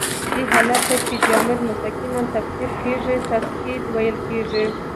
دې حالت ته چې جامد مستقیماً تبخیر کیږي تصعید ویل کیږي.